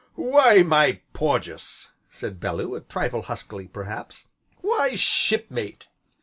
"Why my Porges!" said Bellew, a trifle huskily, perhaps, "why, Shipmate!"